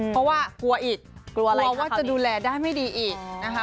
เพราะว่ากลัวอีกกลัวว่าจะดูแลได้ไม่ดีอีกนะคะ